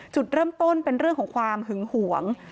จุดเริ่มต้นเป็นเรื่องของความหึงหวง